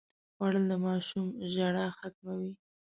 خوړل د ماشوم ژړا ختموي